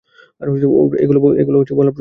ওর এগুলো প্রয়োজন।